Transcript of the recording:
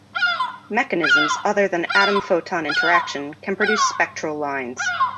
Mechanisms other than atom-photon interaction can produce spectral lines.